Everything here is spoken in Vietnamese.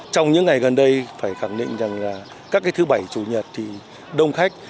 trong những ngày gần đây phải khẳng định rằng là các cái thứ bảy chủ nhật thì đông khách